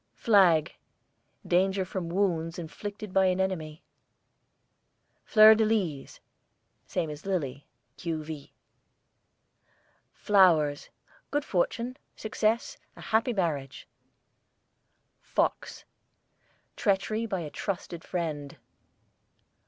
FLAG, danger from wounds inflicted by an enemy. FLEUR DE LYS, same as LILY (q.v.). FLOWERS, good fortune, success; a happy marriage. FOX, treachery by a trusted friend.